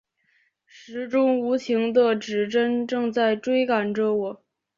时钟无情的指针正在追赶着我